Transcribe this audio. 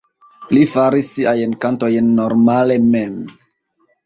Li faris siajn kantojn normale mem.